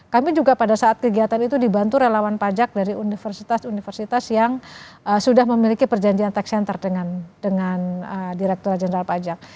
kami juga pada saat kegiatan itu dibantu relawan pajak dari universitas universitas yang sudah memiliki perjanjian tax center dengan direktur jenderal pajak